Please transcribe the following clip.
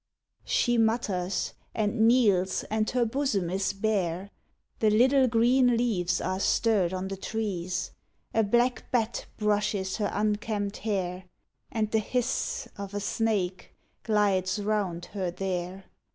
_" She mutters and kneels and her bosom is bare The little green leaves are stirred on the trees A black bat brushes her unkempt hair, And the hiss of a snake glides 'round her there